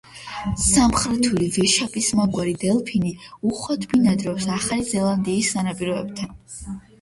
სამხრეთული ვეშაპისმაგვარი დელფინი უხვად ბინადრობს ახალი ზელანდიის სანაპიროებთან.